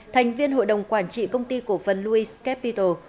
thành viên hội đồng quản trị công ty cổ phần louice capital